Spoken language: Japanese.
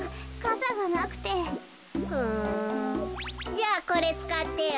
じゃあこれつかってよ。